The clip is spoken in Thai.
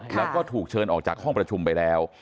แล้วก็ถูกเชิญออกจากห้องประชุมไปแล้ว